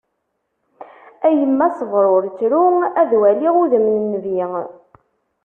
A yemma sber ur ttru, ad waliɣ udem n Nnbi.